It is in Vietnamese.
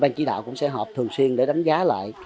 ban chỉ đạo cũng sẽ họp thường xuyên để đánh giá lại